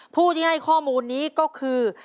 ผู้ที่ให้ข้อมูลนี้ก็คือ